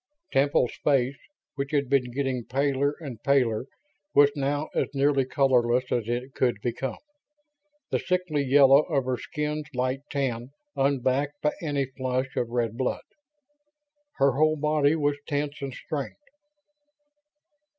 Temple's face, which had been getting paler and paler, was now as nearly colorless as it could become; the sickly yellow of her skin's light tan unbacked by any flush of red blood. Her whole body was tense and strained.